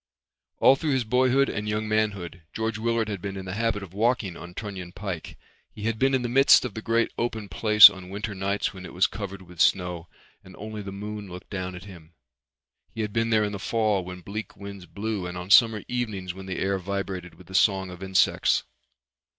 All through his boyhood and young manhood George Willard had been in the habit of walking on Trunion Pike. He had been in the midst of the great open place on winter nights when it was covered with snow and only the moon looked down at him; he had been there in the fall when bleak winds blew and on summer evenings when the air vibrated with the song of insects.